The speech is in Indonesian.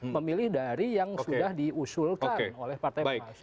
memilih dari yang sudah diusulkan oleh partai pengusung